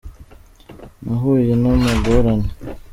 nahuye namagorane.